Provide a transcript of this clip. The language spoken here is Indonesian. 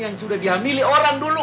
yang sudah diamili orang dulu